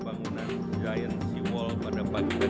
pembangunan giant sea wall pada pagi ini